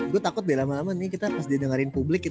gue takut biar lama lama nih kita pas dia dengerin ini